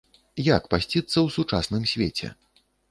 Як пасціцца ў сучасным свеце?